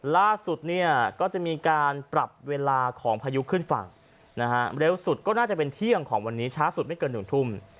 ล่าสุดเนี่ยก็จะมีการปรับเวลาของพายุขึ้นฝั่งนะฮะเร็วสุดก็น่าจะเป็นเที่ยงของวันนี้ช้าสุดไม่เกิน๑ทุ่ม